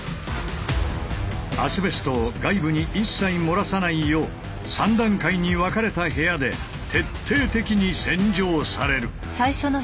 アスベストを外部に一切漏らさないよう３段階に分かれた部屋で徹底的に洗浄される。